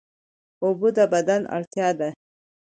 اوبه د بدن اړتیا ده